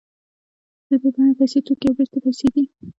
د دې بڼه پیسې توکي او بېرته پیسې دي